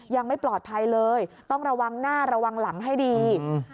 ยังไม่ปลอดภัยเลยต้องระวังหน้าระวังหลังให้ดี